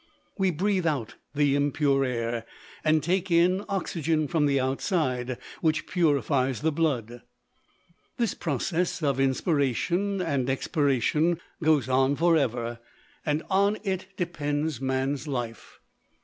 We breathe out the impure air, and take in oxygen from the outside, which purifies the blood. This process of inspiration and expiration goes on for ever, and on it depends man's life.